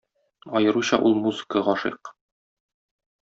Аеруча ул музыка гашыйк.